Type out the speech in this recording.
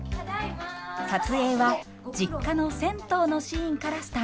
撮影は実家の銭湯のシーンからスタートしました。